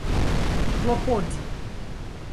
klopodi